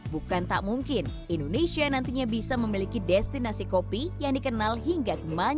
bukan tak mungkin indonesia nantinya bisa memiliki destinasi kopi yang dikenal hingga kemajuan